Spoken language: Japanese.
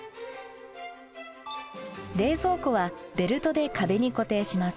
冷蔵庫はベルトで壁に固定します。